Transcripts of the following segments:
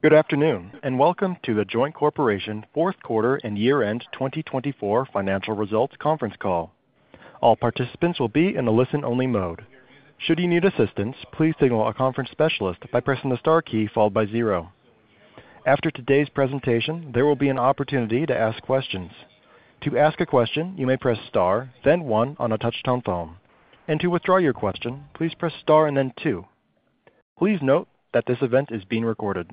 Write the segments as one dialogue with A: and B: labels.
A: Good afternoon, and welcome to The Joint Corporation fourth quarter and Year-End 2024 Financial Results Conference Call. All participants will be in a listen-only mode. Should you need assistance, please signal a conference specialist by pressing the star key followed by zero. After today's presentation, there will be an opportunity to ask questions. To ask a question, you may press star, then one on a touch-tone phone. To withdraw your question, please press star and then two. Please note that this event is being recorded.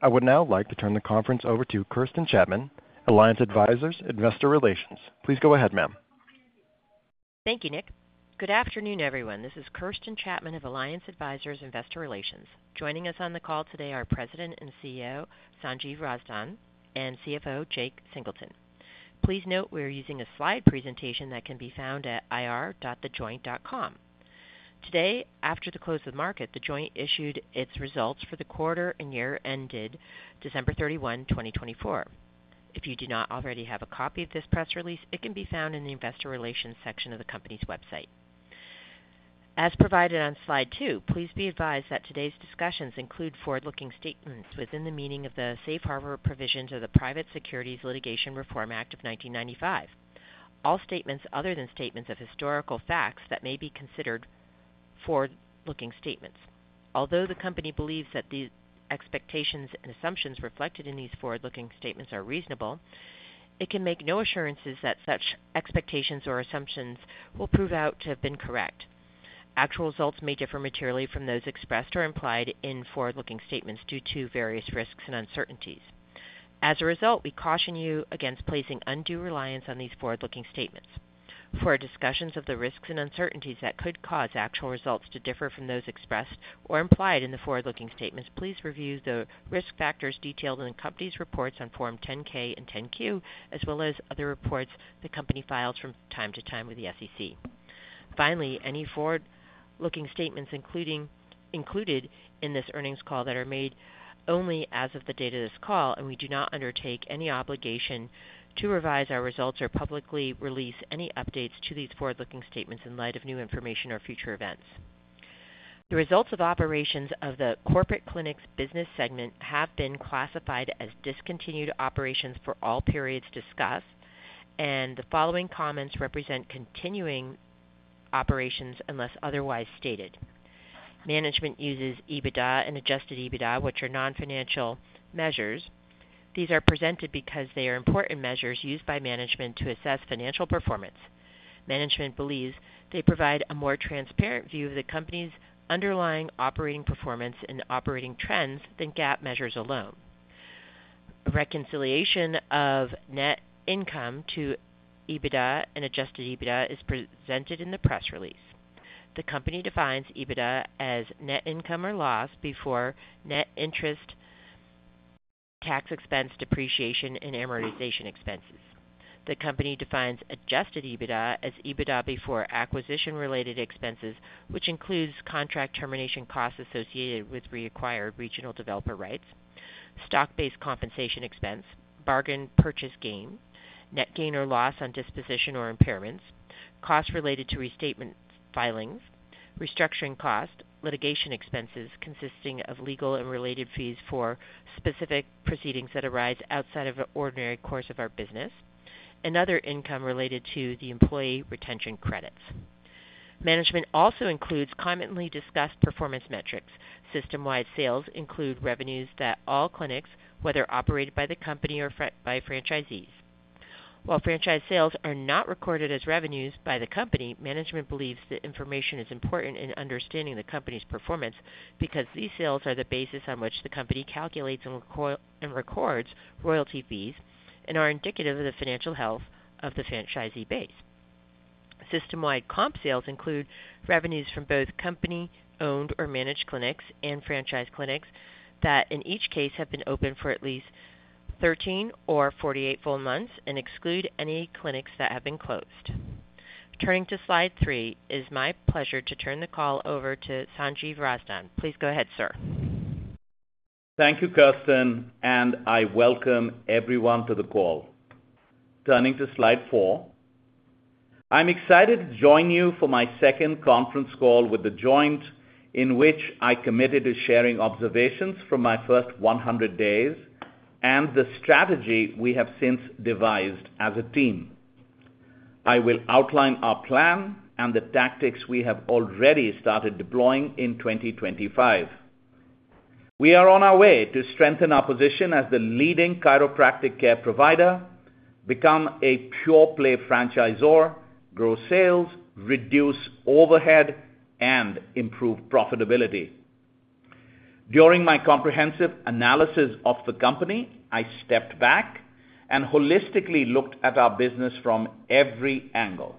A: I would now like to turn the conference over to Kirsten Chapman, Alliance Advisors Investor Relations. Please go ahead, ma'am.
B: Thank you, Nick. Good afternoon, everyone. This is Kirsten Chapman of Alliance Advisors Investor Relations. Joining us on the call today are President and CEO Sanjiv Razdan and CFO Jake Singleton. Please note we are using a slide presentation that can be found at ir.thejoint.com. Today, after the close of the market, The Joint issued its results for the quarter and year ended December 31st, 2024. If you do not already have a copy of this press release, it can be found in the Investor Relations section of the company's website. As provided on slide two, please be advised that today's discussions include forward-looking statements within the meaning of the Safe Harbor Provisions of the Private Securities Litigation Reform Act of 1995. All statements other than statements of historical facts that may be considered forward-looking statements. Although the company believes that the expectations and assumptions reflected in these forward-looking statements are reasonable, it can make no assurances that such expectations or assumptions will prove out to have been correct. Actual results may differ materially from those expressed or implied in forward-looking statements due to various risks and uncertainties. As a result, we caution you against placing undue reliance on these forward-looking statements. For discussions of the risks and uncertainties that could cause actual results to differ from those expressed or implied in the forward-looking statements, please review the risk factors detailed in the company's reports on Form 10-K and 10-Q, as well as other reports the company files from time to time with the SEC. Finally, any forward-looking statements included in this earnings call are made only as of the date of this call, and we do not undertake any obligation to revise our results or publicly release any updates to these forward-looking statements in light of new information or future events. The results of operations of the corporate clinics business segment have been classified as discontinued operations for all periods discussed, and the following comments represent continuing operations unless otherwise stated. Management uses EBITDA and adjusted EBITDA, which are non-financial measures. These are presented because they are important measures used by management to assess financial performance. Management believes they provide a more transparent view of the company's underlying operating performance and operating trends than GAAP measures alone. Reconciliation of net income to EBITDA and adjusted EBITDA is presented in the press release. The company defines EBITDA as net income or loss before net interest, tax expense, depreciation, and amortization expenses. The company defines adjusted EBITDA as EBITDA before acquisition-related expenses, which includes contract termination costs associated with reacquired regional developer rights, stock-based compensation expense, bargain purchase gain, net gain or loss on disposition or impairments, costs related to restatement filings, restructuring costs, litigation expenses consisting of legal and related fees for specific proceedings that arise outside of the ordinary course of our business, and other income related to the employee retention credits. Management also includes commonly discussed performance metrics. System-wide sales include revenues that all clinics, whether operated by the company or by franchisees. While franchise sales are not recorded as revenues by the company, management believes the information is important in understanding the company's performance because these sales are the basis on which the company calculates and records royalty fees and are indicative of the financial health of the franchisee base. System-wide comp sales include revenues from both company-owned or managed clinics and franchise clinics that, in each case, have been open for at least 13 or 48 full months and exclude any clinics that have been closed. Turning to slide three, it is my pleasure to turn the call over to Sanjiv Razdan. Please go ahead, sir.
C: Thank you, Kirsten, and I welcome everyone to the call. Turning to slide four, I'm excited to join you for my second conference call with The Joint, in which I committed to sharing observations from my first 100 days and the strategy we have since devised as a team. I will outline our plan and the tactics we have already started deploying in 2025. We are on our way to strengthen our position as the leading chiropractic care provider, become a pure-play franchisor, grow sales, reduce overhead, and improve profitability. During my comprehensive analysis of the company, I stepped back and holistically looked at our business from every angle.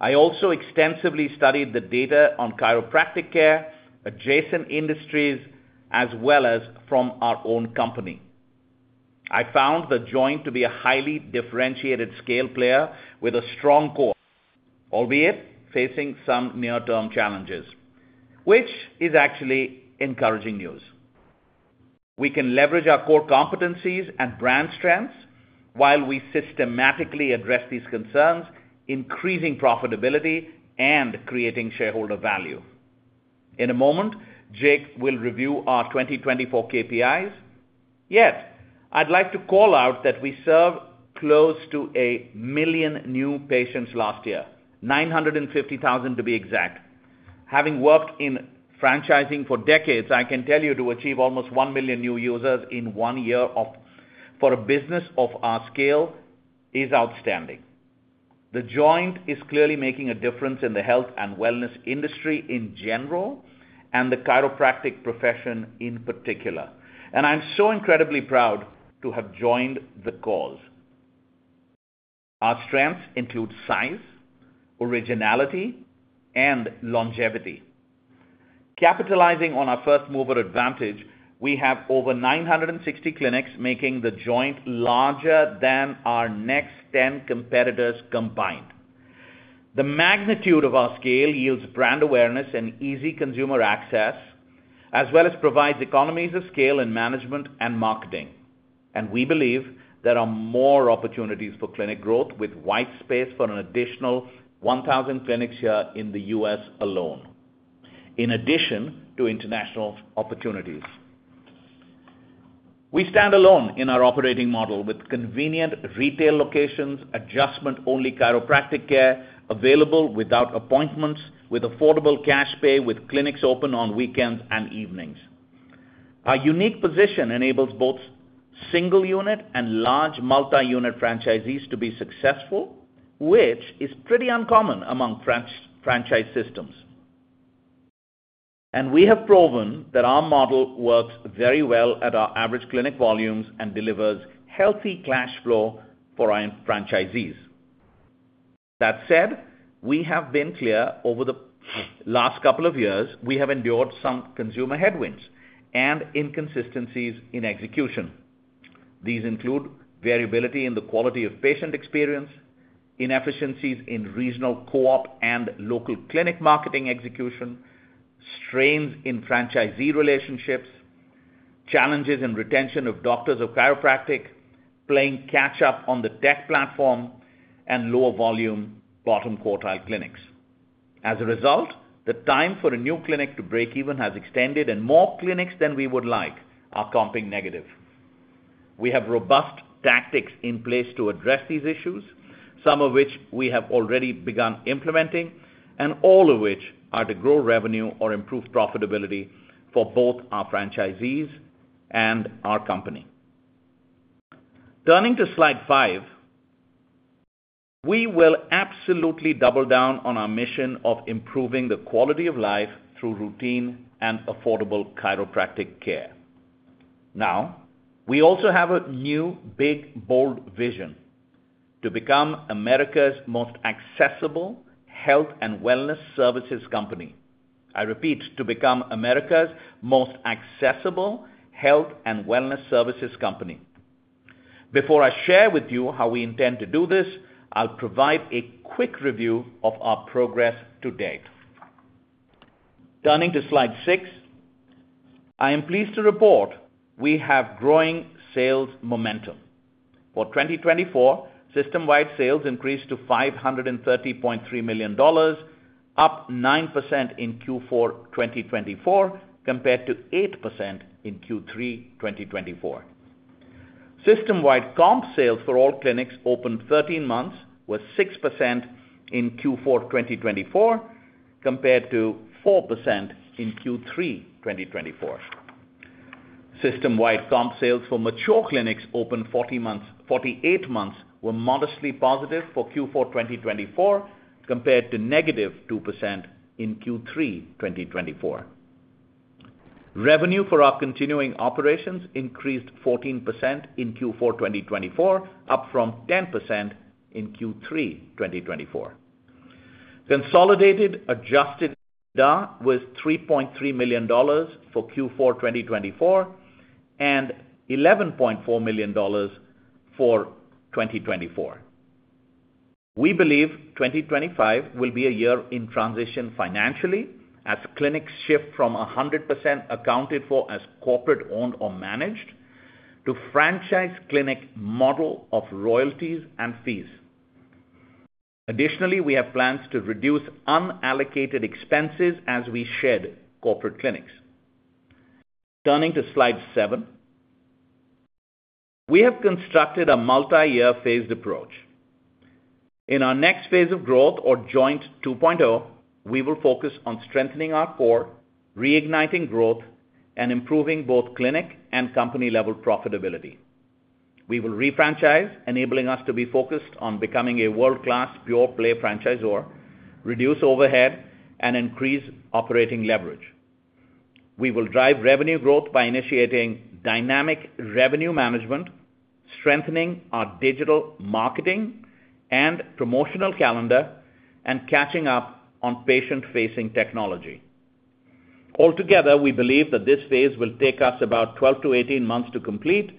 C: I also extensively studied the data on chiropractic care, adjacent industries, as well as from our own company. I found The Joint to be a highly differentiated scale player with a strong core, albeit facing some near-term challenges, which is actually encouraging news. We can leverage our core competencies and brand strengths while we systematically address these concerns, increasing profitability and creating shareholder value. In a moment, Jake will review our 2024 KPIs. Yet, I'd like to call out that we served close to a million new patients last year, 950,000 to be exact. Having worked in franchising for decades, I can tell you to achieve almost one million new users in one year for a business of our scale is outstanding. The Joint is clearly making a difference in the health and wellness industry in general and the chiropractic profession in particular, and I'm so incredibly proud to have joined the call. Our strengths include size, originality, and longevity. Capitalizing on our first-mover advantage, we have over 960 clinics, making The Joint larger than our next 10 competitors combined. The magnitude of our scale yields brand awareness and easy consumer access, as well as provides economies of scale in management and marketing, and we believe there are more opportunities for clinic growth with white space for an additional 1,000 clinics here in the U.S. alone, in addition to international opportunities. We stand alone in our operating model with convenient retail locations, adjustment-only chiropractic care available without appointments, with affordable cash pay, with clinics open on weekends and evenings. Our unique position enables both single-unit and large multi-unit franchisees to be successful, which is pretty uncommon among franchise systems, and we have proven that our model works very well at our average clinic volumes and delivers healthy cash flow for our franchisees. That said, we have been clear over the last couple of years. We have endured some consumer headwinds and inconsistencies in execution. These include variability in the quality of patient experience, inefficiencies in regional co-op and local clinic marketing execution, strains in franchisee relationships, challenges in retention of doctors of chiropractic, playing catch-up on the tech platform, and lower volume bottom quartile clinics. As a result, the time for a new clinic to break even has extended, and more clinics than we would like are comping negative. We have robust tactics in place to address these issues, some of which we have already begun implementing, and all of which are to grow revenue or improve profitability for both our franchisees and our company. Turning to slide five, we will absolutely double down on our mission of improving the quality of life through routine and affordable chiropractic care. Now, we also have a new, big, bold vision to become America's most accessible health and wellness services company. I repeat, to become America's most accessible health and wellness services company. Before I share with you how we intend to do this, I'll provide a quick review of our progress to date. Turning to slide six, I am pleased to report we have growing sales momentum. For 2024, system-wide sales increased to $530.3 million, up 9% in Q4 2024 compared to 8% in Q3 2024. System-wide comp sales for all clinics opened 13 months were 6% in Q4 2024 compared to 4% in Q3 2024. System-wide comp sales for mature clinics opened 48 months were modestly positive for Q4 2024 compared to negative 2% in Q3 2024. Revenue for our continuing operations increased 14% in Q4 2024, up from 10% in Q3 2024. Consolidated adjusted EBITDA was $3.3 million for Q4 2024 and $11.4 million for 2024. We believe 2025 will be a year in transition financially as clinics shift from 100% accounted for as corporate-owned or managed to franchise clinic model of royalties and fees. Additionally, we have plans to reduce unallocated expenses as we shed corporate clinics. Turning to slide seven, we have constructed a multi-year phased approach. In our next phase of growth or Joint 2.0, we will focus on strengthening our core, reigniting growth, and improving both clinic and company-level profitability. We will refranchise, enabling us to be focused on becoming a world-class pure-play franchisor, reduce overhead, and increase operating leverage. We will drive revenue growth by initiating dynamic revenue management, strengthening our digital marketing and promotional calendar, and catching up on patient-facing technology. Altogether, we believe that this phase will take us about 12 to 18 months to complete,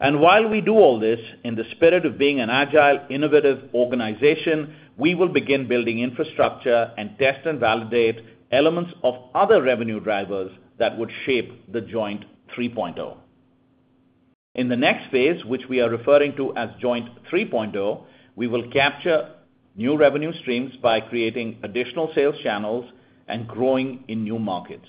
C: and while we do all this in the spirit of being an agile, innovative organization, we will begin building infrastructure and test and validate elements of other revenue drivers that would shape the Joint 3.0. In the next phase, which we are referring to as Joint 3.0, we will capture new revenue streams by creating additional sales channels and growing in new markets.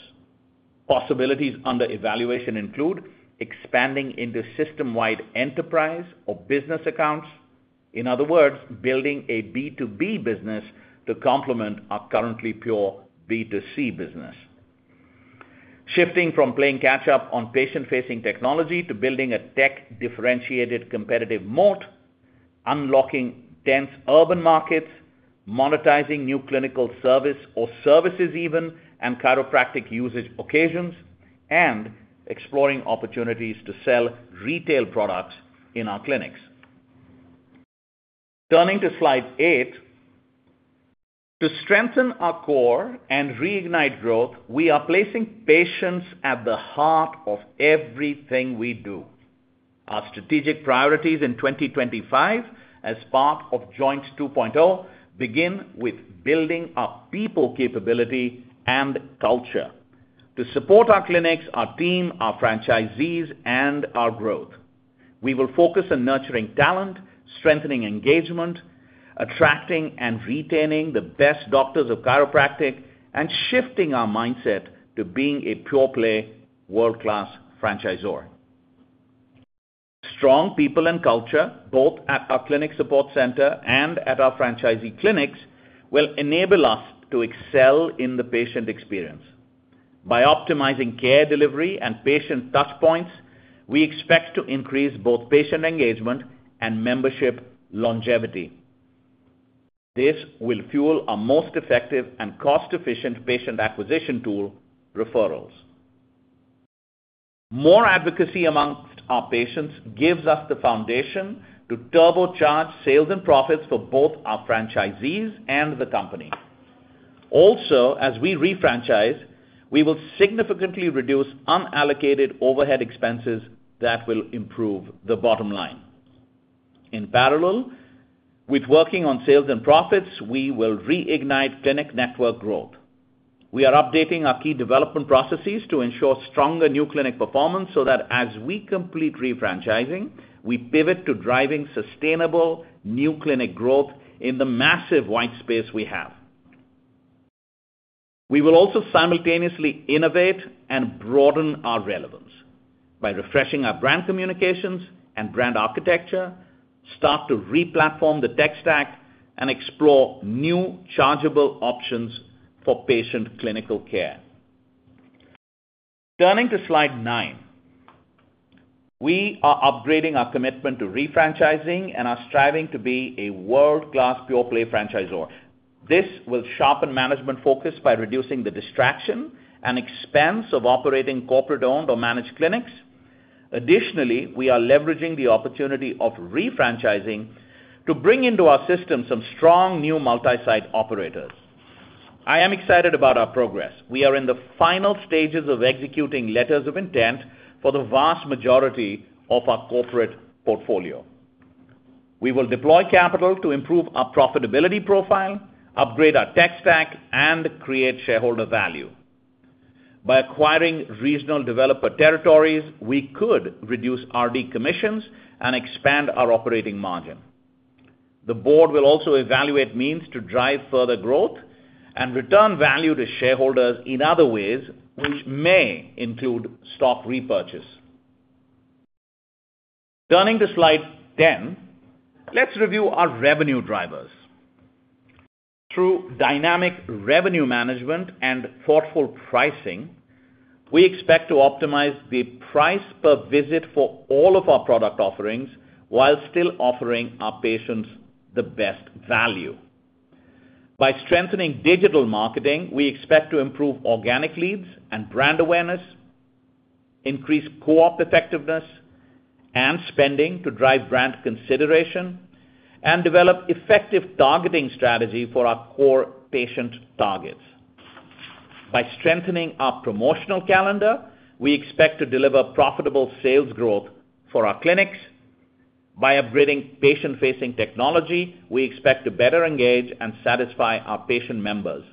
C: Possibilities under evaluation include expanding into system-wide enterprise or business accounts. In other words, building a B2B business to complement our currently pure B2C business, shifting from playing catch-up on patient-facing technology to building a tech-differentiated competitive moat, unlocking dense urban markets, monetizing new clinical service or services even, and chiropractic usage occasions, and exploring opportunities to sell retail products in our clinics. Turning to slide eight, to strengthen our core and reignite growth, we are placing patients at the heart of everything we do. Our strategic priorities in 2025 as part of Joint 2.0 begin with building our people capability and culture to support our clinics, our team, our franchisees, and our growth. We will focus on nurturing talent, strengthening engagement, attracting and retaining the best doctors of chiropractic, and shifting our mindset to being a pure-play, world-class franchisor. Strong people and culture, both at our clinic support center and at our franchisee clinics, will enable us to excel in the patient experience. By optimizing care delivery and patient touchpoints, we expect to increase both patient engagement and membership longevity. This will fuel our most effective and cost-efficient patient acquisition tool, referrals. More advocacy amongst our patients gives us the foundation to turbocharge sales and profits for both our franchisees and the company. Also, as we refranchise, we will significantly reduce unallocated overhead expenses that will improve the bottom line. In parallel with working on sales and profits, we will reignite clinic network growth. We are updating our key development processes to ensure stronger new clinic performance so that as we complete refranchising, we pivot to driving sustainable new clinic growth in the massive white space we have. We will also simultaneously innovate and broaden our relevance by refreshing our brand communications and brand architecture, start to replatform the tech stack, and explore new chargeable options for patient clinical care. Turning to slide nine, we are upgrading our commitment to refranchising and are striving to be a world-class pure-play franchisor. This will sharpen management focus by reducing the distraction and expense of operating corporate-owned or managed clinics. Additionally, we are leveraging the opportunity of refranchising to bring into our system some strong new multi-site operators. I am excited about our progress. We are in the final stages of executing letters of intent for the vast majority of our corporate portfolio. We will deploy capital to improve our profitability profile, upgrade our tech stack, and create shareholder value. By acquiring regional developer territories, we could reduce RD commissions and expand our operating margin. The board will also evaluate means to drive further growth and return value to shareholders in other ways, which may include stock repurchase. Turning to slide 10, let's review our revenue drivers. Through dynamic revenue management and thoughtful pricing, we expect to optimize the price per visit for all of our product offerings while still offering our patients the best value. By strengthening digital marketing, we expect to improve organic leads and brand awareness, increase co-op effectiveness and spending to drive brand consideration, and develop effective targeting strategy for our core patient targets. By strengthening our promotional calendar, we expect to deliver profitable sales growth for our clinics. By upgrading patient-facing technology, we expect to better engage and satisfy our patient members.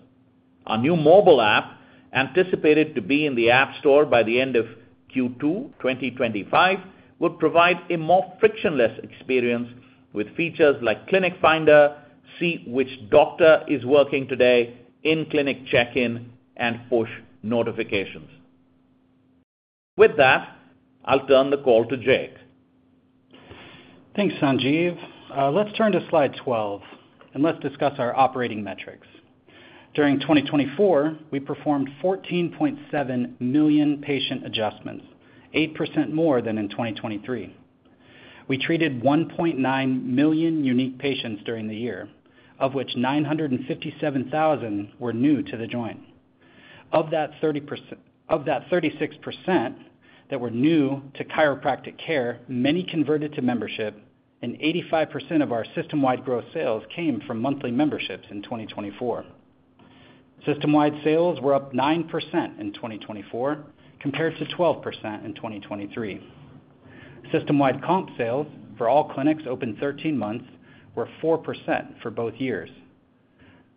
C: Our new mobile app, anticipated to be in the app store by the end of Q2 2025, would provide a more frictionless experience with features like Clinic Finder, see which doctor is working today in clinic check-in, and push notifications. With that, I'll turn the call to Jake.
D: Thanks, Sanjiv. Let's turn to slide 12, and let's discuss our operating metrics. During 2024, we performed 14.7 million patient adjustments, 8% more than in 2023. We treated 1.9 million unique patients during the year, of which 957,000 were new to The Joint. Of that 36% that were new to chiropractic care, many converted to membership, and 85% of our system-wide gross sales came from monthly memberships in 2024. System-wide sales were up 9% in 2024 compared to 12% in 2023. System-wide comp sales for all clinics opened 13 months were 4% for both years.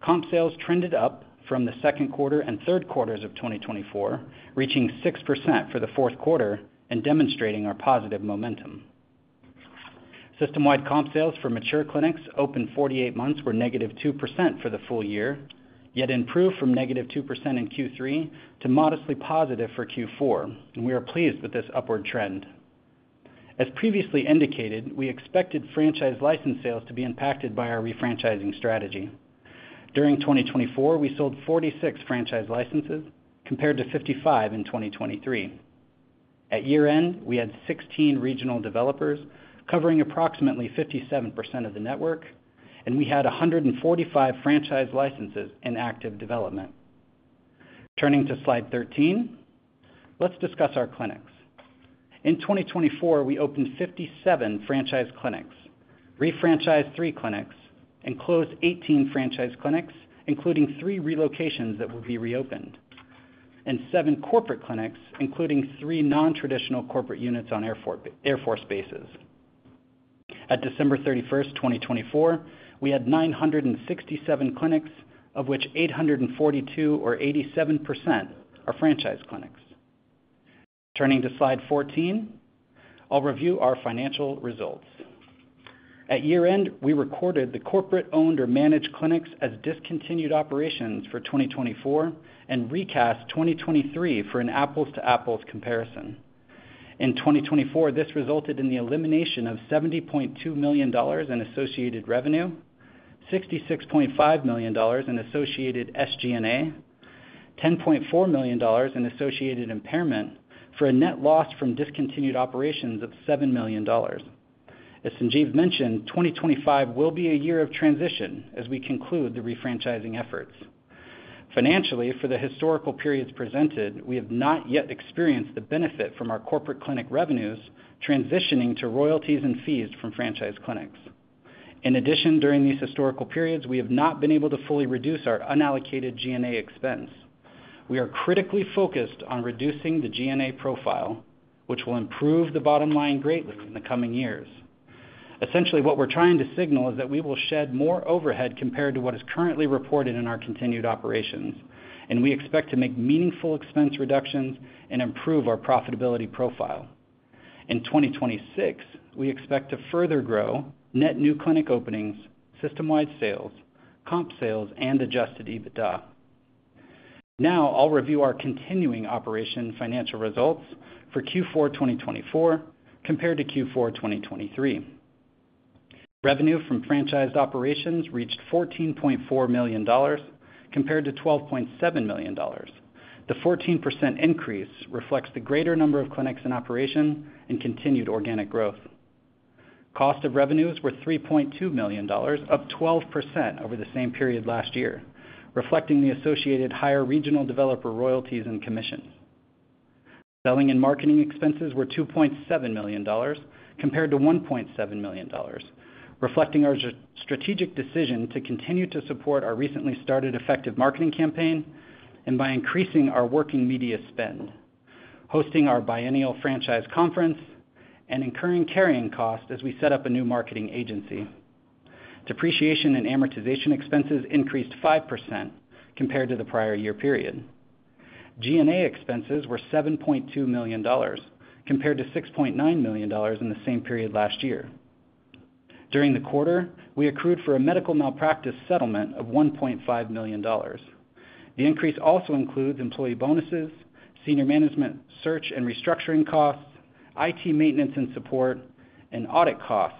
D: Comp sales trended up from the second quarter and third quarters of 2024, reaching 6% for the fourth quarter and demonstrating our positive momentum. System-wide comp sales for mature clinics opened 48 months were negative 2% for full year, yet improved from negative 2% in Q3 to modestly positive for Q4, and we are pleased with this upward trend. As previously indicated, we expected franchise license sales to be impacted by our refranchising strategy. During 2024, we sold 46 franchise licenses compared to 55 in 2023. At year-end, we had 16 regional developers covering approximately 57% of the network, and we had 145 franchise licenses in active development. Turning to slide 13, let's discuss our clinics. In 2024, we opened 57 franchise clinics, refranchised three clinics, and closed 18 franchise clinics, including three relocations that will be reopened, and seven corporate clinics, including three non-traditional corporate units on Air Force bases. At December 31st, 2024, we had 967 clinics, of which 842 or 87% are franchise clinics. Turning to slide 14, I'll review our financial results. At year-end, we recorded the corporate-owned or managed clinics as discontinued operations for 2024 and recast 2023 for an apples-to-apples comparison. In 2024, this resulted in the elimination of $70.2 million in associated revenue, $66.5 million in associated SG&A, and $10.4 million in associated impairment for a net loss from discontinued operations of $7 million. As Sanjiv mentioned, 2025 will be a year of transition as we conclude the refranchising efforts. Financially, for the historical periods presented, we have not yet experienced the benefit from our corporate clinic revenues transitioning to royalties and fees from franchise clinics. In addition, during these historical periods, we have not been able to fully reduce our unallocated G&A expense. We are critically focused on reducing the G&A profile, which will improve the bottom line greatly in the coming years. Essentially, what we're trying to signal is that we will shed more overhead compared to what is currently reported in our continued operations, and we expect to make meaningful expense reductions and improve our profitability profile. In 2026, we expect to further grow net new clinic openings, system-wide sales, comp sales, and adjusted EBITDA. Now, I'll review our continuing operation financial results for Q4 2024 compared to Q4 2023. Revenue from franchised operations reached $14.4 million compared to $12.7 million. The 14% increase reflects the greater number of clinics in operation and continued organic growth. Cost of revenues were $3.2 million, up 12% over the same period last year, reflecting the associated higher regional developer royalties and commissions. Selling and marketing expenses were $2.7 million compared to $1.7 million, reflecting our strategic decision to continue to support our recently started effective marketing campaign and by increasing our working media spend, hosting our biennial franchise conference, and incurring carrying costs as we set up a new marketing agency. Depreciation and amortization expenses increased 5% compared to the prior year period. G&A expenses were $7.2 million compared to $6.9 million in the same period last year. During the quarter, we accrued for a medical malpractice settlement of $1.5 million. The increase also includes employee bonuses, senior management search and restructuring costs, IT maintenance and support, and audit costs,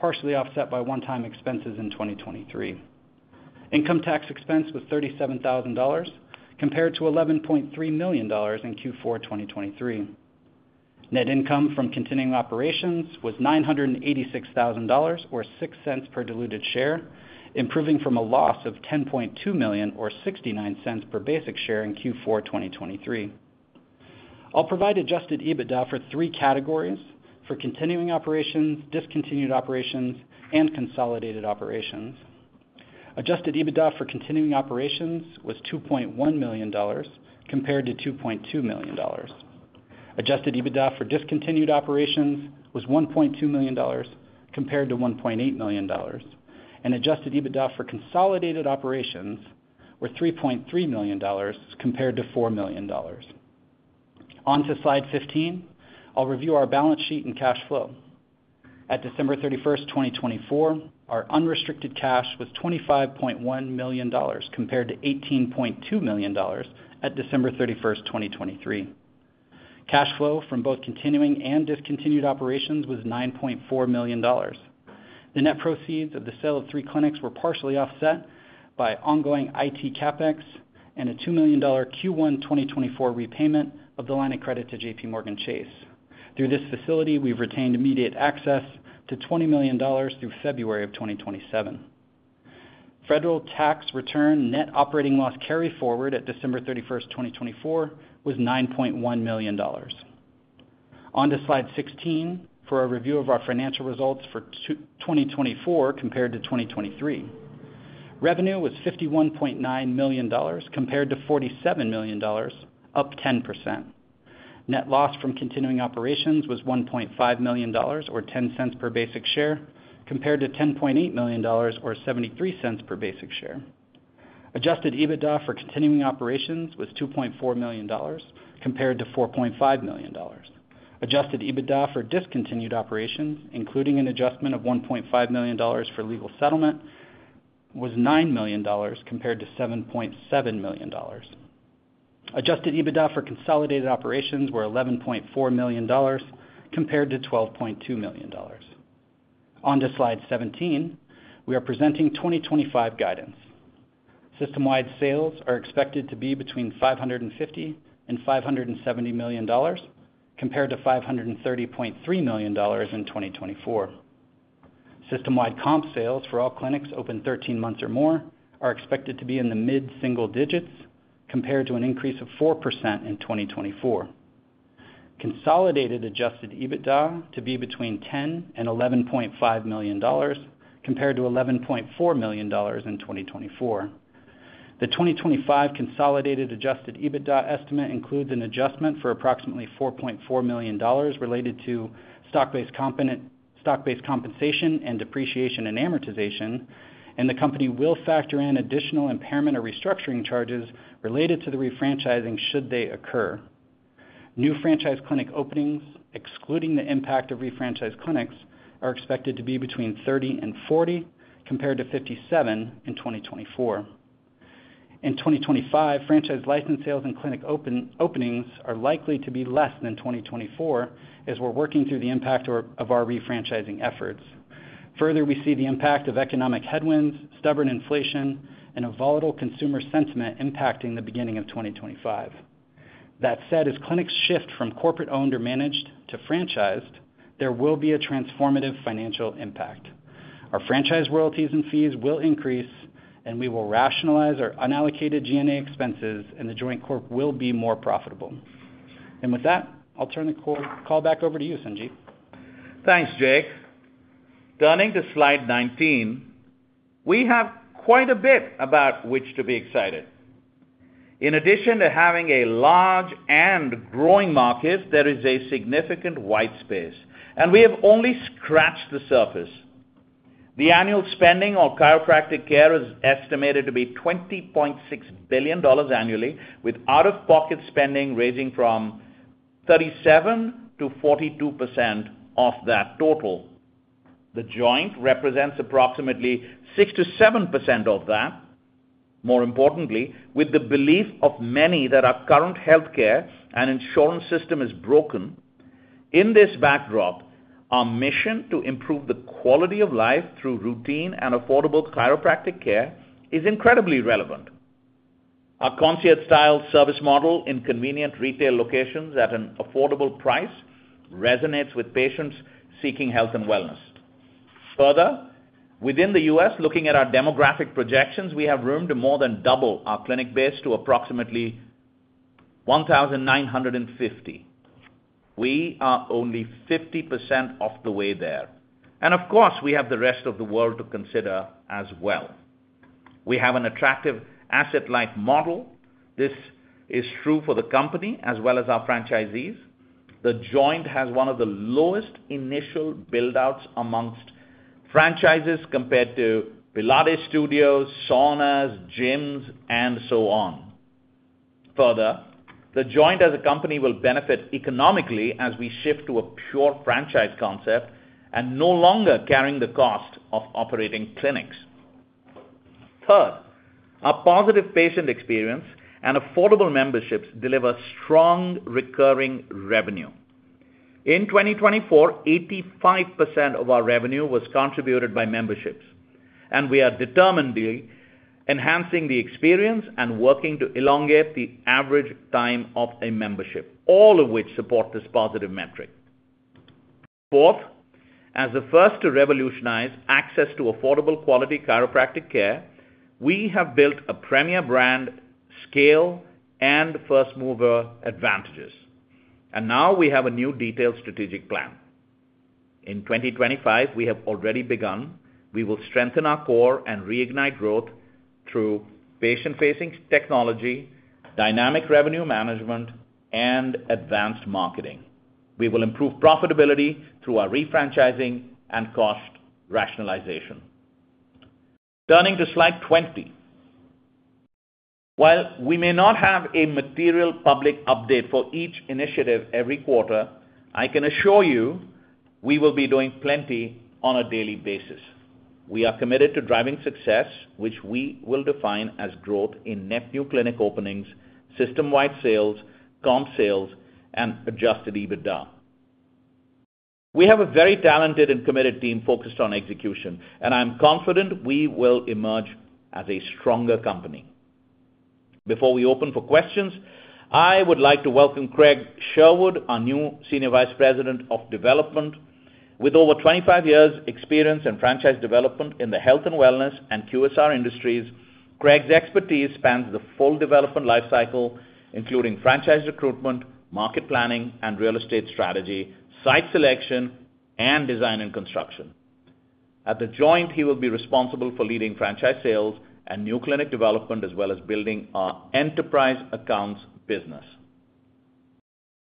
D: partially offset by one-time expenses in 2023. Income tax expense was $37,000 compared to $11.3 million in Q4 2023. Net income from continuing operations was $986,000 or $0.06 per diluted share, improving from a loss of $10.2 million or $0.69 per basic share in Q4 2023. I'll provide adjusted EBITDA for three categories: for continuing operations, discontinued operations, and consolidated operations. Adjusted EBITDA for continuing operations was $2.1 million compared to $2.2 million. Adjusted EBITDA for discontinued operations was $1.2 million compared to $1.8 million. Adjusted EBITDA for consolidated operations was $3.3 million compared to $4 million. On to slide 15. I'll review our balance sheet and cash flow. At December 31st, 2024, our unrestricted cash was $25.1 million compared to $18.2 million at December 31st, 2023. Cash flow from both continuing and discontinued operations was $9.4 million. The net proceeds of the sale of three clinics were partially offset by ongoing IT CapEx and a $2 million Q1 2024 repayment of the line of credit to JPMorgan Chase. Through this facility, we've retained immediate access to $20 million through February of 2027. Federal tax return net operating loss carry forward at December 31st, 2024, was $9.1 million. On to slide 16 for a review of our financial results for 2024 compared to 2023. Revenue was $51.9 million compared to $47 million, up 10%. Net loss from continuing operations was $1.5 million or $0.10 per basic share compared to $10.8 million or $0.73 per basic share. Adjusted EBITDA for continuing operations was $2.4 million compared to $4.5 million. Adjusted EBITDA for discontinued operations, including an adjustment of $1.5 million for legal settlement, was $9 million compared to $7.7 million. Adjusted EBITDA for consolidated operations were $11.4 million compared to $12.2 million. On to slide 17. We are presenting 2025 guidance. System-wide sales are expected to be between $550 million and $570 million compared to $530.3 million in 2024. System-wide comp sales for all clinics opened 13 months or more are expected to be in the mid-single digits compared to an increase of 4% in 2024. Consolidated adjusted EBITDA to be between $10 million and $11.5 million compared to $11.4 million in 2024. The 2025 consolidated adjusted EBITDA estimate includes an adjustment for approximately $4.4 million related to stock-based compensation and depreciation and amortization, and the company will factor in additional impairment or restructuring charges related to the refranchising should they occur. New franchise clinic openings, excluding the impact of refranchised clinics, are expected to be between 30 and 40 compared to 57 in 2024. In 2025, franchise license sales and clinic openings are likely to be less than 2024 as we're working through the impact of our refranchising efforts. Further, we see the impact of economic headwinds, stubborn inflation, and a volatile consumer sentiment impacting the beginning of 2025. That said, as clinics shift from corporate-owned or managed to franchised, there will be a transformative financial impact. Our franchise royalties and fees will increase, and we will rationalize our unallocated G&A expenses, and The Joint Corp will be more profitable. With that, I'll turn the call back over to you, Sanjiv.
C: Thanks, Jake. Turning to slide 19, we have quite a bit about which to be excited. In addition to having a large and growing market, there is a significant white space, and we have only scratched the surface. The annual spending on chiropractic care is estimated to be $20.6 billion annually, with out-of-pocket spending ranging from 37% to 42% of that total. The Joint represents approximately 6% to 7% of that. More importantly, with the belief of many that our current healthcare and insurance system is broken, in this backdrop, our mission to improve the quality of life through routine and affordable chiropractic care is incredibly relevant. Our concierge-style service model in convenient retail locations at an affordable price resonates with patients seeking health and wellness. Further, within the U.S., looking at our demographic projections, we have room to more than double our clinic base to approximately 1,950. We are only 50% of the way there. Of course, we have the rest of the world to consider as well. We have an attractive asset-light model. This is true for the company as well as our franchisees. The Joint has one of the lowest initial buildouts amongst franchises compared to Pilates studios, saunas, gyms, and so on. Further, The Joint as a company will benefit economically as we shift to a pure franchise concept and no longer carrying the cost of operating clinics. Third, our positive patient experience and affordable memberships deliver strong recurring revenue. In 2024, 85% of our revenue was contributed by memberships, and we are determinedly enhancing the experience and working to elongate the average time of a membership, all of which support this positive metric. Fourth, as the first to revolutionize access to affordable quality chiropractic care, we have built a premier brand scale and first-mover advantages. We now have a new detailed strategic plan. In 2025, we have already begun. We will strengthen our core and reignite growth through patient-facing technology, dynamic revenue management, and advanced marketing. We will improve profitability through our refranchising and cost rationalization. Turning to slide 20. While we may not have a material public update for each initiative every quarter, I can assure you we will be doing plenty on a daily basis. We are committed to driving success, which we will define as growth in net new clinic openings, system-wide sales, comp sales, and adjusted EBITDA. We have a very talented and committed team focused on execution, and I'm confident we will emerge as a stronger company. Before we open for questions, I would like to welcome Craig Sherwood, our new Senior Vice President of Development. With over 25 years' experience in franchise development in the health and wellness and QSR industries, Craig's expertise spans the full development life cycle, including franchise recruitment, market planning, and real estate strategy, site selection, and design and construction. At The Joint, he will be responsible for leading franchise sales and new clinic development, as well as building our enterprise accounts business.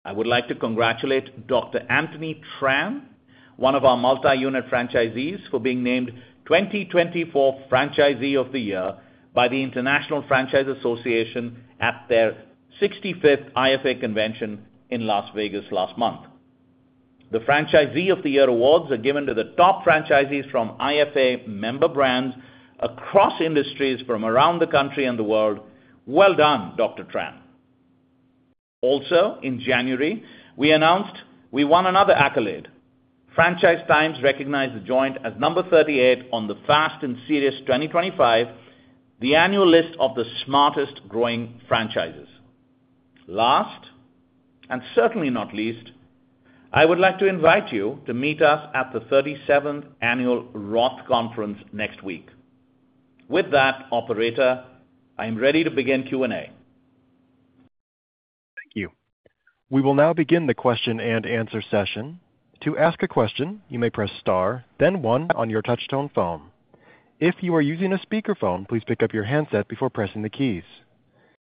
C: I would like to congratulate Dr. Anthony Tran, one of our multi-unit franchisees, for being named 2024 Franchisee of the Year by the International Franchise Association at their 65th IFA Convention in Las Vegas last month. The Franchisee of the Year awards are given to the top franchisees from IFA member brands across industries from around the country and the world well done, Dr. Tran. Also, in January, we announced we won another accolade. Franchise Times recognized The Joint as number 38 on the Fast & Serious 2025, the annual list of the smartest growing franchises. Last, and certainly not least, I would like to invite you to meet us at the 37th Annual Roth Conference next week. With that, Operator, I am ready to begin Q&A.
A: Thank you. We will now begin the question and answer session. To ask a question, you may press star, then one on your touch-tone phone. If you are using a speakerphone, please pick up your handset before pressing the keys.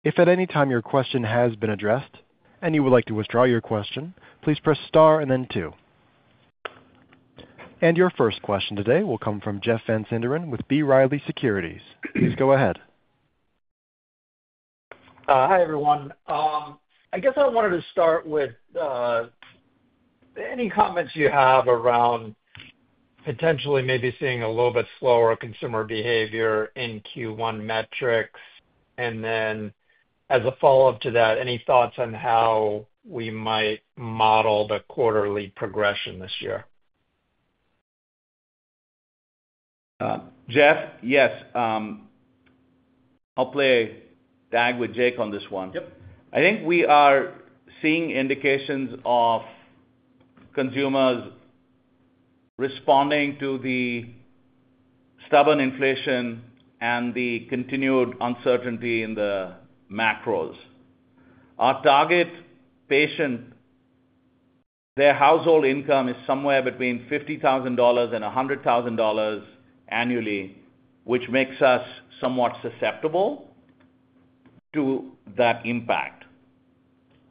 A: If at any time your question has been addressed and you would like to withdraw your question, please press star and then two. Your first question today will come from Jeff Van Sinderen with B. Riley Securities. Please go ahead.
E: Hi, everyone. I guess I wanted to start with any comments you have around potentially maybe seeing a little bit slower consumer behavior in Q1 metrics. As a follow-up to that, any thoughts on how we might model the quarterly progression this year?
C: Jeff, yes. I'll play a tag with Jake on this one. I think we are seeing indications of consumers responding to the stubborn inflation and the continued uncertainty in the macros. Our target patient, their household income is somewhere between $50,000 and $100,000 annually, which makes us somewhat susceptible to that impact.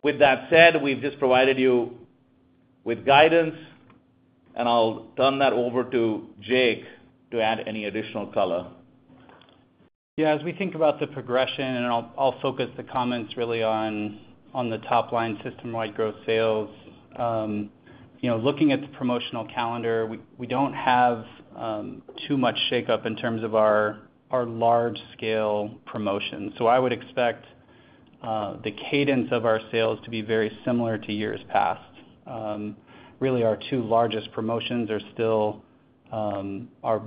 C: With that said, we've just provided you with guidance, and I'll turn that over to Jake to add any additional color.
D: Yeah, as we think about the progression, and I'll focus the comments really on the top line system-wide growth sales. Looking at the promotional calendar, we don't have too much shake-up in terms of our large-scale promotions. I would expect the cadence of our sales to be very similar to years past. Really, our two largest promotions are still our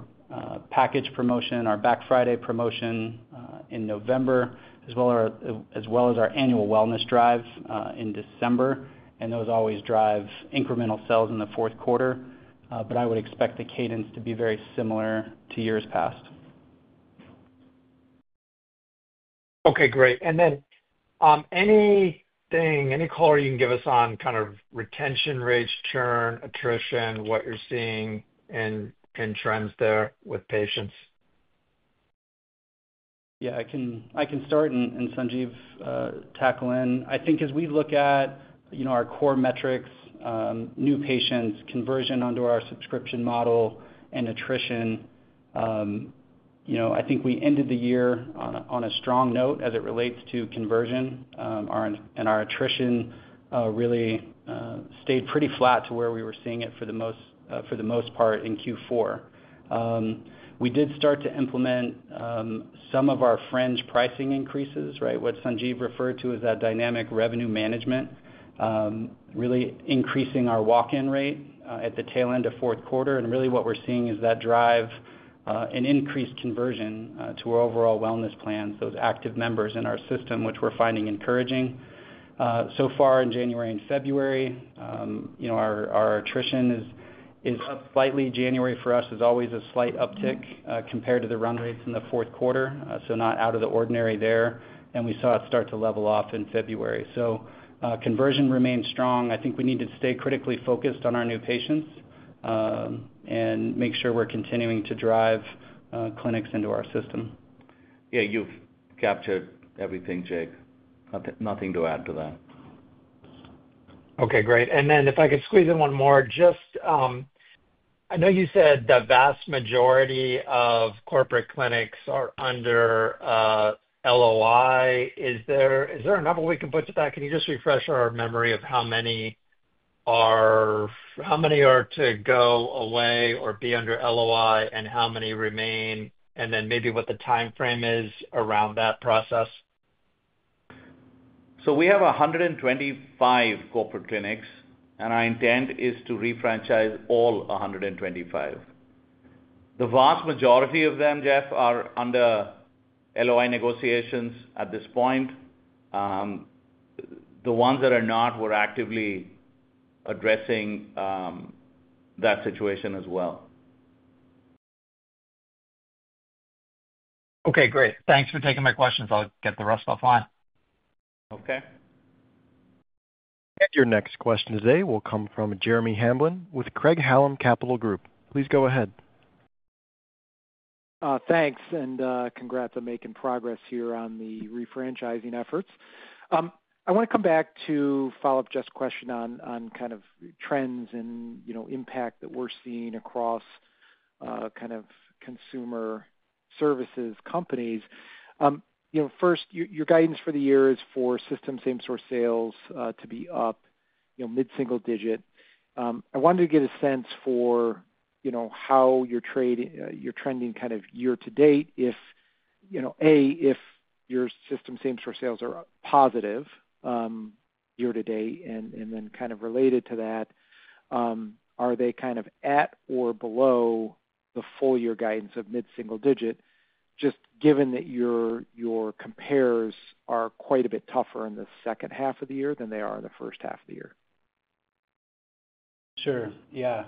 D: package promotion, our Black Friday promotion in November, as well as our annual wellness drive in December. Those always drive incremental sales in the fourth quarter. I would expect the cadence to be very similar to years past.
E: Okay, great. Any color you can give us on kind of retention, raise churn, attrition, what you're seeing in trends there with patients?
D: Yeah, I can start and Sanjiv tackle in. I think as we look at our core metrics, new patients, conversion under our subscription model, and attrition, I think we ended the year on a strong note as it relates to conversion. Our attrition really stayed pretty flat to where we were seeing it for the most part in Q4. We did start to implement some of our fringe pricing increases, right? What Sanjiv referred to as that dynamic revenue management, really increasing our walk-in rate at the tail end of fourth quarter. What we're seeing is that drive and increased conversion to our overall wellness plans, those active members in our system, which we're finding encouraging. So far in January and February, our attrition is up slightly. January for us is always a slight uptick compared to the run rates in the fourth quarter, not out of the ordinary there. We saw it start to level off in February. Conversion remains strong. I think we need to stay critically focused on our new patients and make sure we're continuing to drive clinics into our system.
C: Yeah, you've captured everything, Jake. Nothing to add to that.
E: Okay, great. If I could squeeze in one more, just I know you said the vast majority of corporate clinics are under LOI. Is there a number we can put to that? Can you just refresh our memory of how many are to go away or be under LOI and how many remain, and then maybe what the timeframe is around that process?
C: We have 125 corporate clinics, and our intent is to refranchise all 125. The vast majority of them, Jeff, are under LOI negotiations at this point. The ones that are not, we're actively addressing that situation as well.
E: Okay, great. Thanks for taking my questions. I'll get the rest offline.
C: Okay.
A: Your next question today will come from Jeremy Hamblin with Craig-Hallum Capital Group. Please go ahead.
F: Thanks, and congrats on making progress here on the refranchising efforts. I want to come back to follow up Jeff's question on kind of trends and impact that we're seeing across kind of consumer services companies. First, your guidance for the year is for system same-store sales to be up mid-single digit. I wanted to get a sense for how you're trending kind of year to date. A, if your system same-store sales are positive year to date, and then kind of related to that, are they kind of at or below full year guidance of mid-single digit, just given that your compares are quite a bit tougher in the second half of the year than they are in the first half of the year?
D: Sure. Yeah.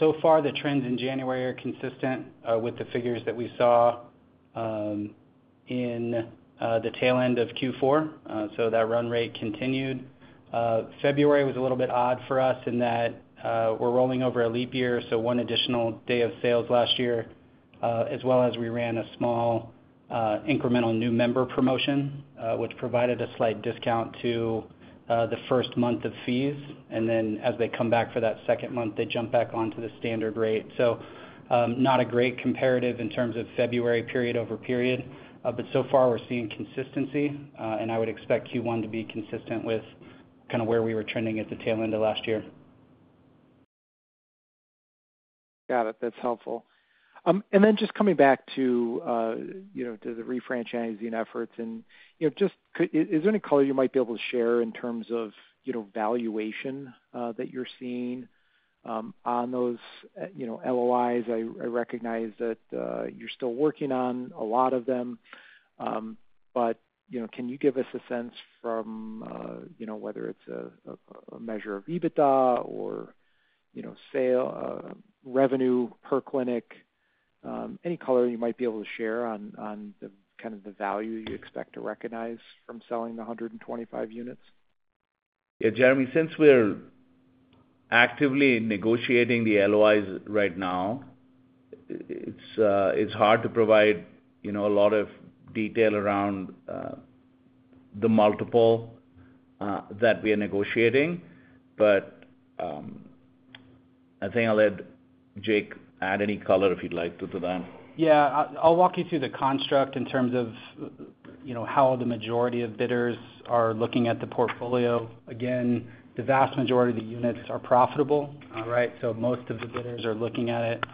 D: So far, the trends in January are consistent with the figures that we saw in the tail end of Q4. So that run rate continued. February was a little bit odd for us in that we're rolling over a leap year, so one additional day of sales last year, as well as we ran a small incremental new member promotion, which provided a slight discount to the first month of fees. As they come back for that second month, they jump back onto the standard rate. Not a great comparative in terms of February period over period. So far, we're seeing consistency, and I would expect Q1 to be consistent with kind of where we were trending at the tail end of last year.
F: Got it. That's helpful. Just coming back to the refranchising efforts, is there any color you might be able to share in terms of valuation that you're seeing on those LOIs? I recognize that you're still working on a lot of them, but can you give us a sense from whether it's a measure of EBITDA or revenue per clinic? Any color you might be able to share on kind of the value you expect to recognize from selling the 125 units?
C: Yeah, Jeremy, since we're actively negotiating the LOIs right now, it's hard to provide a lot of detail around the multiple that we are negotiating. I think I'll let Jake add any color if he'd like to to that.
D: Yeah. I'll walk you through the construct in terms of how the majority of bidders are looking at the portfolio. Again, the vast majority of the units are profitable, right? Most of the bidders are looking at it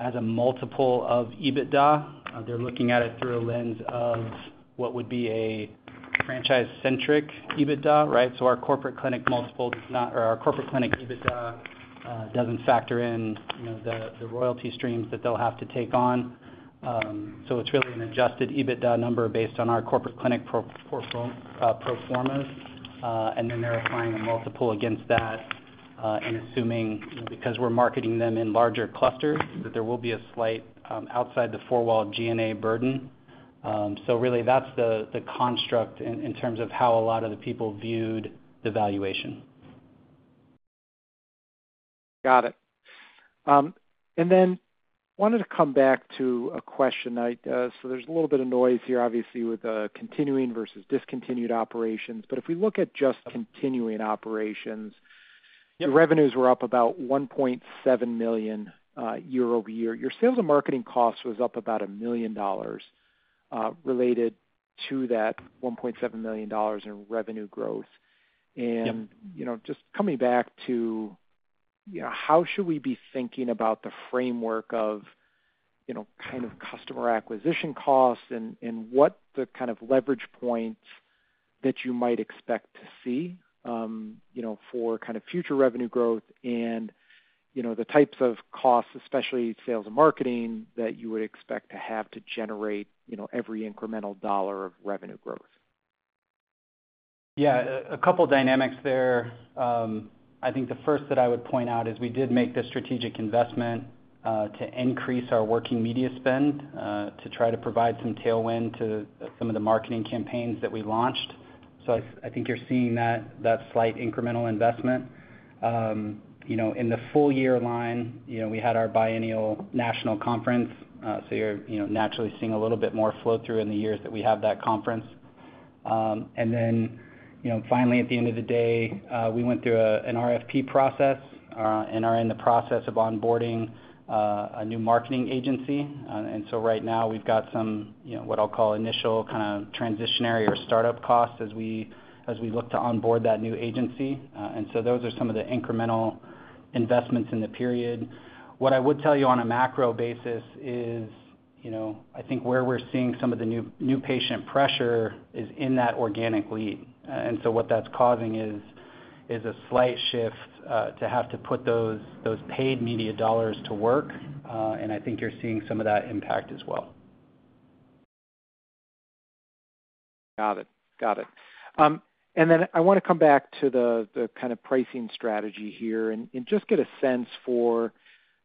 D: as a multiple of EBITDA. They're looking at it through a lens of what would be a franchise-centric EBITDA, right? Our corporate clinic multiple does not or our corporate clinic EBITDA does not factor in the royalty streams that they will have to take on. It is really an adjusted EBITDA number based on our corporate clinic pro formas. They are applying a multiple against that and assuming, because we are marketing them in larger clusters, that there will be a slight outside-the-four-wall G&A burden. That is the construct in terms of how a lot of the people viewed the valuation.
F: Got it. I wanted to come back to a question. There is a little bit of noise here, obviously, with continuing versus discontinued operations. If we look at just continuing operations, your revenues were up about $1.7 million year over year. Your sales and marketing cost was up about $1 million related to that $1.7 million in revenue growth. Just coming back to how should we be thinking about the framework of kind of customer acquisition costs and what the kind of leverage points that you might expect to see for kind of future revenue growth and the types of costs, especially sales and marketing, that you would expect to have to generate every incremental dollar of revenue growth?
D: Yeah, a couple of dynamics there. I think the first that I would point out is we did make the strategic investment to increase our working media spend to try to provide some tailwind to some of the marketing campaigns that we launched. I think you're seeing that slight incremental investment. In full year line, we had our biennial national conference. You are naturally seeing a little bit more flow through in the years that we have that conference. Finally, at the end of the day, we went through an RFP process and are in the process of onboarding a new marketing agency. Right now, we've got some what I'll call initial kind of transitionary or startup costs as we look to onboard that new agency. Those are some of the incremental investments in the period. What I would tell you on a macro basis is I think where we're seeing some of the new patient pressure is in that organic lead. What that's causing is a slight shift to have to put those paid media dollars to work. I think you're seeing some of that impact as well.
F: Got it. Got it. I want to come back to the kind of pricing strategy here and just get a sense for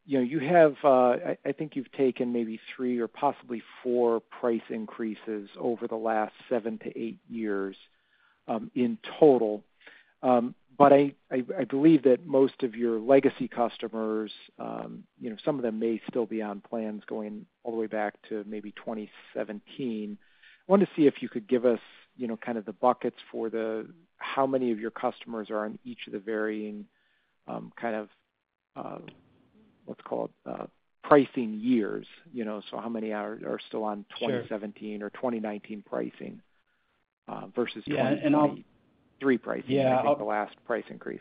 F: you have I think you've taken maybe three or possibly four price increases over the last seven to eight years in total. I believe that most of your legacy customers, some of them may still be on plans going all the way back to maybe 2017. I wanted to see if you could give us kind of the buckets for how many of your customers are on each of the varying kind of what's called pricing years. How many are still on 2017 or 2019 pricing versus 2023 pricing after the last price increase?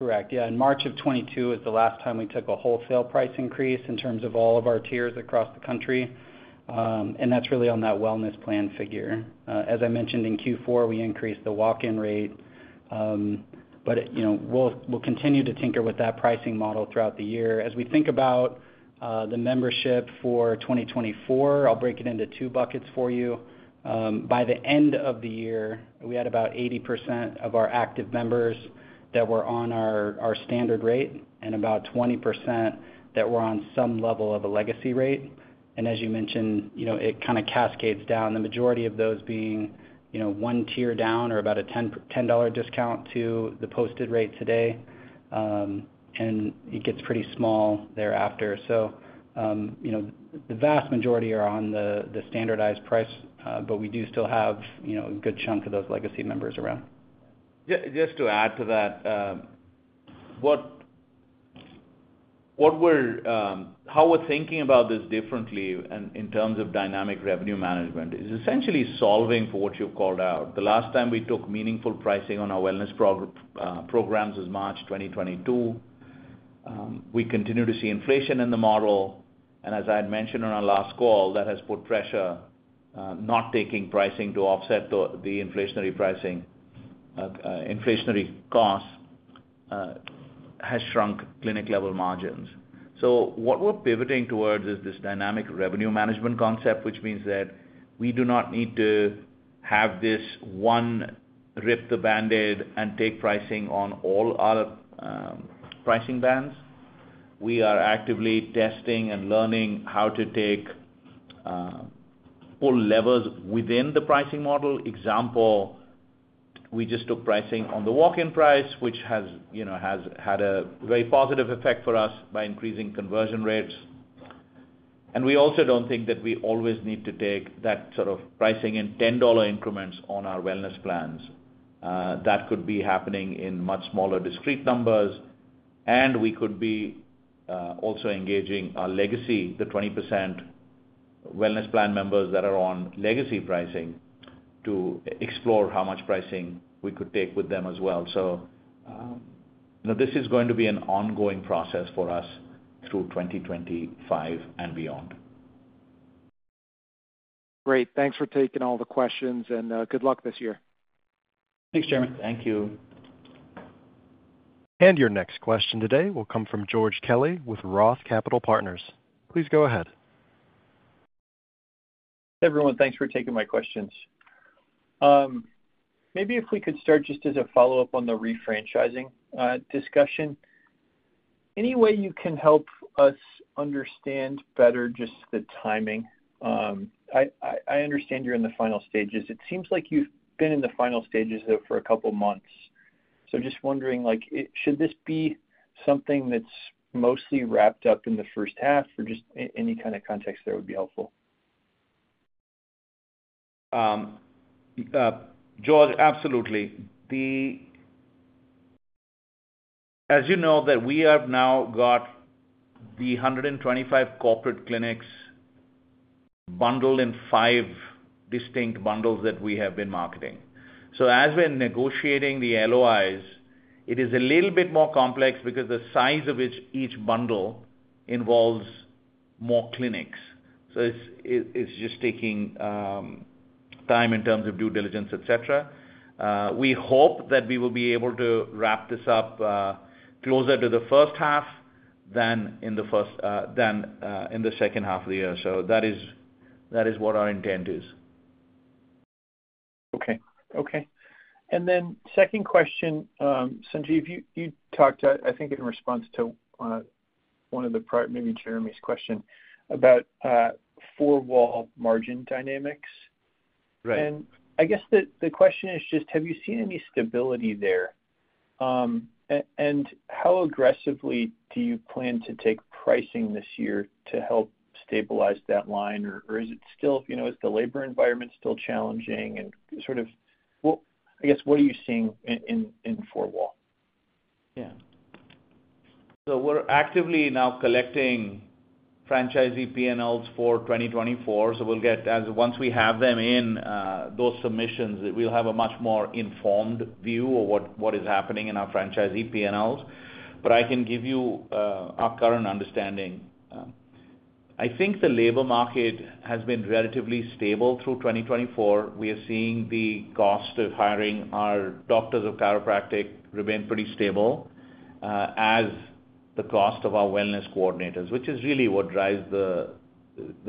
D: Correct. Yeah. In March of 2022 is the last time we took a wholesale price increase in terms of all of our tiers across the country. That's really on that wellness plan figure. As I mentioned, in Q4, we increased the walk-in rate. We'll continue to tinker with that pricing model throughout the year. As we think about the membership for 2024, I'll break it into two buckets for you. By the end of the year, we had about 80% of our active members that were on our standard rate and about 20% that were on some level of a legacy rate. As you mentioned, it kind of cascades down, the majority of those being one tier down or about a $10 discount to the posted rate today. It gets pretty small thereafter. The vast majority are on the standardized price, but we do still have a good chunk of those legacy members around.
C: Just to add to that, how we're thinking about this differently in terms of dynamic revenue management is essentially solving for what you've called out. The last time we took meaningful pricing on our wellness programs was March 2022. We continue to see inflation in the model. As I had mentioned on our last call, that has put pressure. Not taking pricing to offset the inflationary costs has shrunk clinic-level margins. What we are pivoting towards is this dynamic revenue management concept, which means that we do not need to have this one rip the Band-Aid and take pricing on all our pricing bands. We are actively testing and learning how to take full levers within the pricing model. Example, we just took pricing on the walk-in price, which has had a very positive effect for us by increasing conversion rates. We also do not think that we always need to take that sort of pricing in $10 increments on our wellness plans. That could be happening in much smaller discrete numbers. We could be also engaging our legacy, the 20% wellness plan members that are on legacy pricing to explore how much pricing we could take with them as well. This is going to be an ongoing process for us through 2025 and beyond.
F: Great. Thanks for taking all the questions, and good luck this year.
D: Thanks, Jeremy.
C: Thank you.
A: Your next question today will come from George Kelly with Roth Capital Partners. Please go ahead.
G: Hey, everyone. Thanks for taking my questions. Maybe if we could start just as a follow-up on the refranchising discussion. Any way you can help us understand better just the timing? I understand you're in the final stages. It seems like you've been in the final stages for a couple of months. Just wondering, should this be something that's mostly wrapped up in the first half? Or just any kind of context there would be helpful.
C: George, absolutely. As you know, we have now got the 125 corporate clinics bundled in five distinct bundles that we have been marketing. As we're negotiating the LOIs, it is a little bit more complex because the size of each bundle involves more clinics. It is just taking time in terms of due diligence, etc. We hope that we will be able to wrap this up closer to the first half than in the second half of the year. That is what our intent is.
G: Okay. Okay. And then second question, Sanjiv, you talked, I think, in response to one of maybe Jeremy's questions about four-wall margin dynamics. I guess the question is just, have you seen any stability there? How aggressively do you plan to take pricing this year to help stabilize that line? Is the labor environment still challenging? What are you seeing in four-wall?
C: Yeah. We are actively now collecting franchisee P&Ls for 2024. Once we have those submissions, we will have a much more informed view of what is happening in our franchisee P&Ls. I can give you our current understanding. I think the labor market has been relatively stable through 2024. We are seeing the cost of hiring our doctors of chiropractic remain pretty stable, as is the cost of our wellness coordinators, which is really what drives the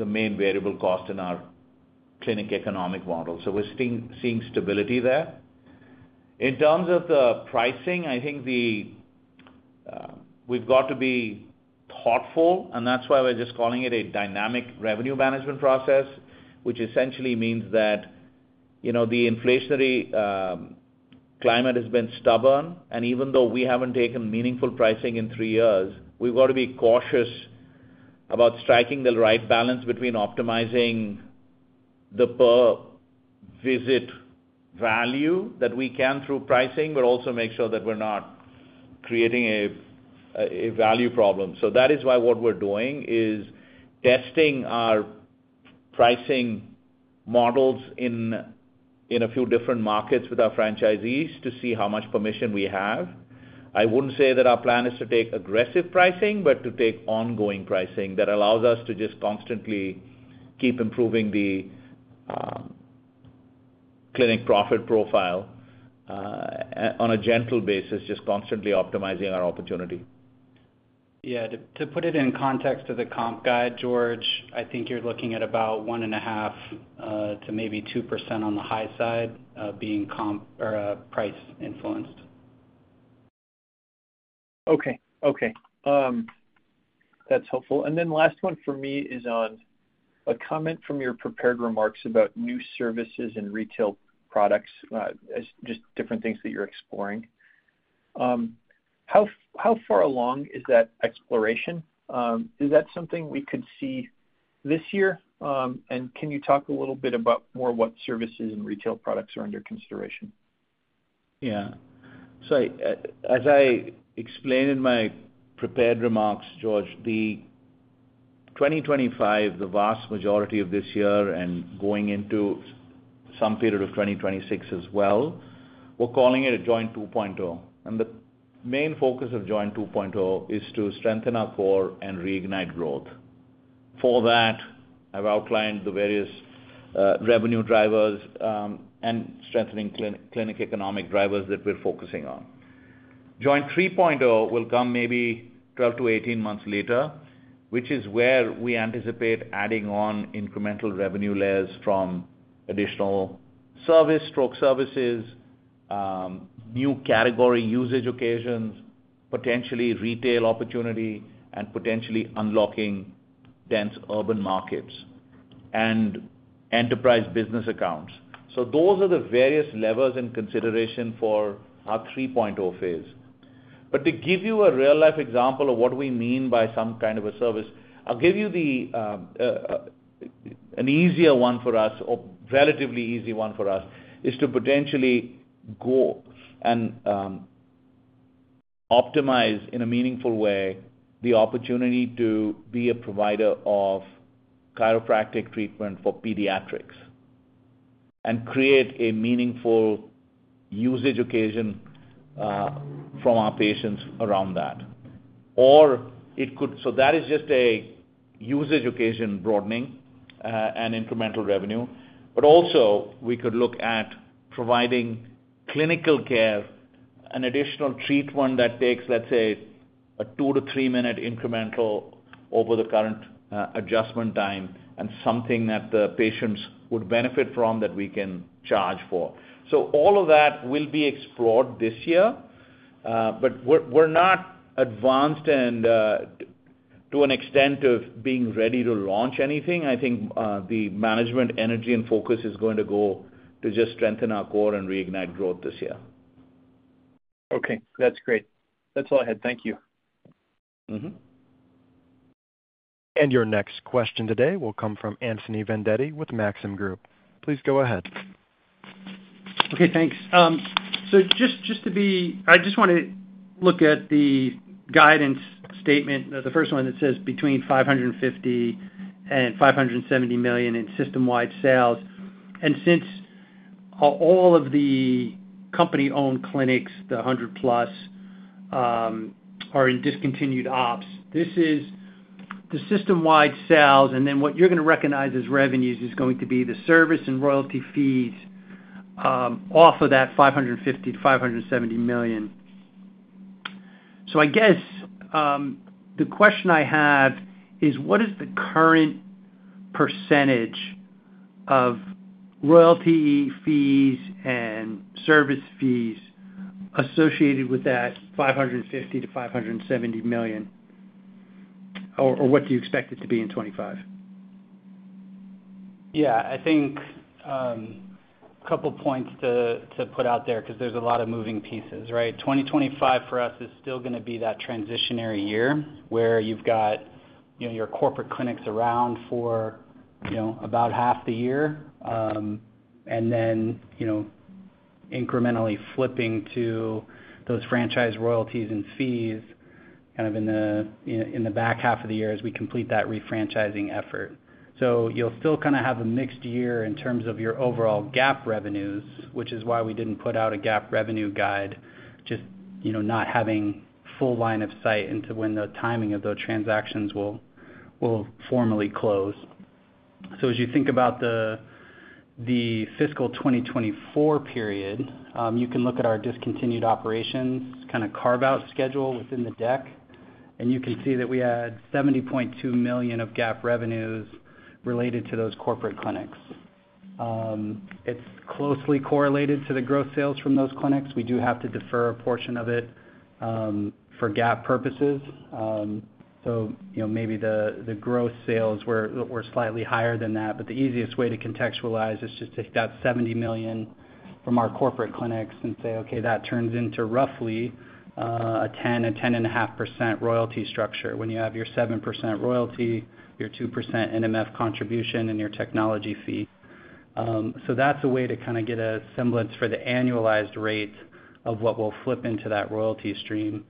C: main variable cost in our clinic economic model. We are seeing stability there. In terms of the pricing, I think we have to be thoughtful. That is why we're just calling it a dynamic revenue management process, which essentially means that the inflationary climate has been stubborn. Even though we haven't taken meaningful pricing in three years, we've got to be cautious about striking the right balance between optimizing the per-visit value that we can through pricing, but also make sure that we're not creating a value problem. That is why what we're doing is testing our pricing models in a few different markets with our franchisees to see how much permission we have. I wouldn't say that our plan is to take aggressive pricing, but to take ongoing pricing that allows us to just constantly keep improving the clinic profit profile on a gentle basis, just constantly optimizing our opportunity.
D: Yeah To put it in context of the comp guide, George, I think you're looking at about one and a half to maybe 2% on the high side being price-influenced.
G: Okay. Okay. That's helpful. The last one for me is on a comment from your prepared remarks about new services and retail products, just different things that you're exploring. How far along is that exploration? Is that something we could see this year? Can you talk a little bit about more what services and retail products are under consideration?
C: Yeah. As I explained in my prepared remarks, George, the 2025, the vast majority of this year and going into some period of 2026 as well, we're calling it a Joint 2.0. The main focus of Joint 2.0 is to strengthen our core and reignite growth. For that, I've outlined the various revenue drivers and strengthening clinic economic drivers that we're focusing on. Joint 3.0 will come maybe 12 to 18 months later, which is where we anticipate adding on incremental revenue layers from additional stroke services, new category usage occasions, potentially retail opportunity, and potentially unlocking dense urban markets and enterprise business accounts. Those are the various levers in consideration for our 3.0 phase. To give you a real-life example of what we mean by some kind of a service, I'll give you an easier one for us, a relatively easy one for us, is to potentially go and optimize in a meaningful way the opportunity to be a provider of chiropractic treatment for pediatrics and create a meaningful usage occasion from our patients around that. That is just a usage occasion broadening and incremental revenue. But also, we could look at providing clinical care, an additional treatment that takes, let's say, a two to three-minute incremental over the current adjustment time and something that the patients would benefit from that we can charge for. All of that will be explored this year. We're not advanced to an extent of being ready to launch anything. I think the management energy and focus is going to go to just strengthen our core and reignite growth this year.
G: Okay. That's great. That's all I had. Thank you.
A: Your next question today will come from Anthony Vendetti with Maxim Group. Please go ahead. Okay.
H: Thanks. Just to be I just want to look at the guidance statement, the first one that says between $550 million and $570 million in system-wide sales. Since all of the company-owned clinics, the 100-plus, are in discontinued ops, this is the system-wide sales. What you're going to recognize as revenues is going to be the service and royalty fees off of that $550 million-$570 million. I guess the question I have is, what is the current percentage of royalty fees and service fees associated with that $550 million-$570 million? Or what do you expect it to be in 2025?
D: Yeah. I think a couple of points to put out there because there's a lot of moving pieces, right? 2025 for us is still going to be that transitionary year where you've got your corporate clinics around for about half the year and then incrementally flipping to those franchise royalties and fees kind of in the back half of the year as we complete that refranchising effort. You'll still kind of have a mixed year in terms of your overall GAAP revenues, which is why we didn't put out a GAAP revenue guide, just not having full line of sight into when the timing of those transactions will formally close. As you think about the fiscal 2024 period, you can look at our discontinued operations kind of carve-out schedule within the deck. You can see that we had $70.2 million of GAAP revenues related to those corporate clinics. It's closely correlated to the gross sales from those clinics. We do have to defer a portion of it for GAAP purposes. Maybe the gross sales were slightly higher than that. The easiest way to contextualize is just take that $70 million from our corporate clinics and say, "Okay That turns into roughly a 10-10.5% royalty structure when you have your 7% royalty, your 2% NMF contribution, and your technology fee. That's a way to kind of get a semblance for the annualized rate of what will flip into that royalty stream.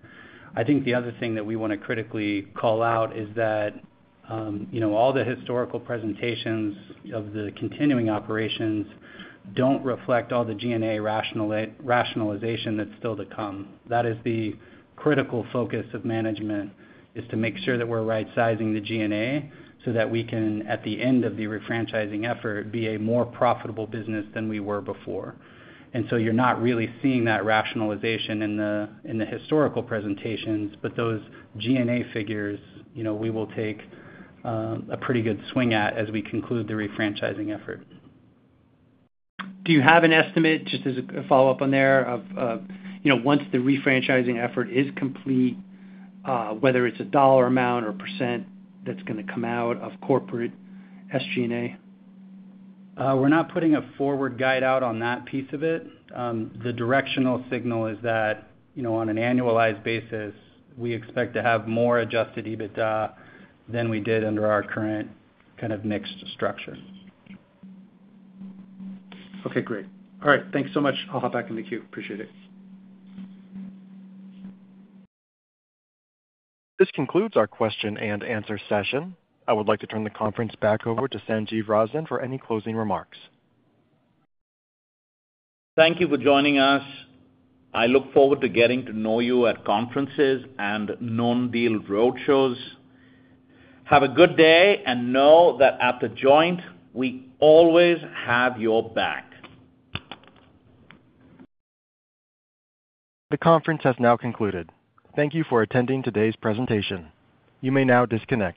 D: I think the other thing that we want to critically call out is that all the historical presentations of the continuing operations do not reflect all the G&A rationalization that's still to come. That is the critical focus of management, to make sure that we're right-sizing the G&A so that we can, at the end of the refranchising effort, be a more profitable business than we were before. You are not really seeing that rationalization in the historical presentations. Those G&A figures, we will take a pretty good swing at as we conclude the refranchising effort.
H: Do you have an estimate, just as a follow-up on there, of once the refranchising effort is complete, whether it's a dollar amount or percent that's going to come out of corporate SG&A?
D: We're not putting a forward guide out on that piece of it. The directional signal is that on an annualized basis, we expect to have more adjusted EBITDA than we did under our current kind of mixed structure.
H: Okay great. All right thanks so much. I'll hop back in the queue appreciate it.
A: This concludes our question and answer session. I would like to turn the conference back over to Sanjiv Razdan for any closing remarks.
C: Thank you for joining us. I look forward to getting to know you at conferences and non-deal roadshows. Have a good day and know that at The Joint, we always have your back.
A: The conference has now concluded. Thank you for attending today's presentation. You may now disconnect.